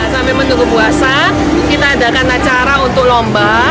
sambil menunggu puasa kita adakan acara untuk lomba